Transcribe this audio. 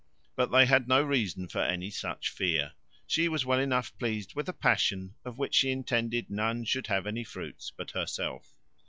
But they had no reason for any such fear; she was well enough pleased with a passion, of which she intended none should have any fruits but herself.